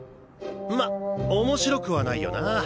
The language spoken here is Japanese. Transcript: ま面白くはないよな。